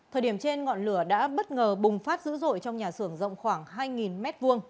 thời điểm trên ngọn lửa đã bất ngờ bùng phát dữ dội trong nhà xưởng rộng khoảng hai m hai